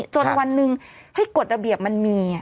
จนวันหนึ่งให้กฎระเบียบมันมี